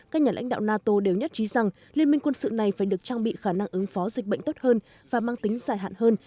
các nhà lãnh đạo nato đều nhất trí rằng liên minh quân sự này phải được trang bị khả năng ứng phó dịch bệnh tốt hơn và mang tính dài hạn hơn